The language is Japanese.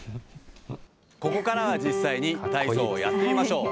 ここからは実際に、体操をやってみましょう。